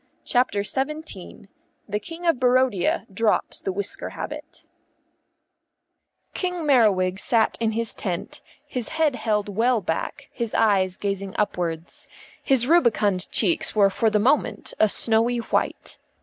CHAPTER XVII THE KING OF BARODIA DROPS THE WHISKER HABIT King Merriwig sat in his tent, his head held well back, his eyes gazing upwards. His rubicund cheeks were for the moment a snowy white.